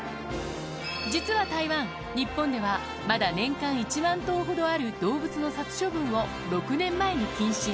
実は台湾、日本ではまだ年間１万頭ほどある動物の殺処分を６年前に禁止。